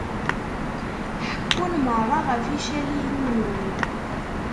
Ḥekkun merra ɣef yicaliyen-nwen.